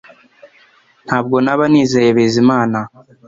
Ntabwo naba nizeye Bizimana